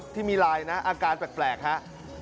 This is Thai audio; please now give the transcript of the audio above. ที่มีลายนะอาการแปลกครับ